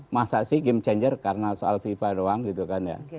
masa sih game changer karena soal fifa doang gitu kan ya